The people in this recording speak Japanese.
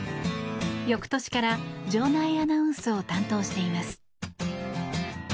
翌年から場内アナウンスを担当しています。